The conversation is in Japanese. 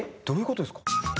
どういう事ですか？